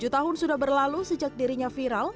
tujuh tahun sudah berlalu sejak dirinya viral